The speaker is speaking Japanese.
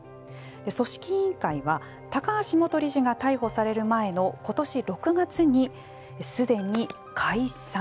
組織委員会は高橋元理事が逮捕される前の今年６月に、すでに解散。